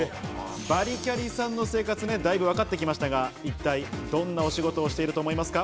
バリキャリさんの生活がだいぶ分かってきましたが、一体どんなお仕事をしていると思いますか？